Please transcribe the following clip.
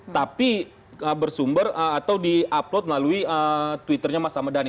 tapi bersumber atau di upload melalui twitternya mas ahmad dhani